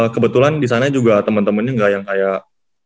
kebetulan disana juga temen temennya gak yang kayak